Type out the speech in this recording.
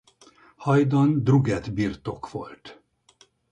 Hajdan Drugeth-birtok volt.